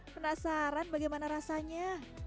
penasaran bagaimana rasanya